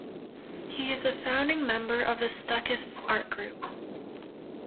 He is a founding member of the Stuckists art group.